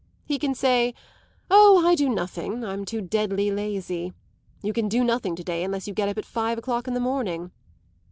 He can say, 'Oh, I do nothing; I'm too deadly lazy. You can do nothing to day unless you get up at five o'clock in the morning.